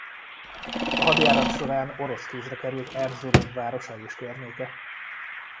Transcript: A hadjárat során orosz kézre került Erzurum városa és környéke.